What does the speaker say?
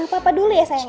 apa apa dulu ya sayang ya